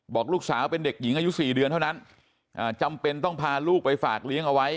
บอกลูกสาวเป็นเด็กหญิงอายุ๔เดือนเท่านั้นจำเป็นต้องพาลูกไปฝากเลี้ยงเอาไว้